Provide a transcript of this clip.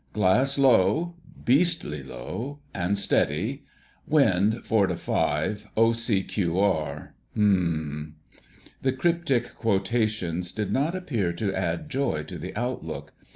"Glass low—beastly low—and steady. Wind 4 5, o.c.q.r. H'm'm." The cryptic quotations did not appear to add joy to the outlook.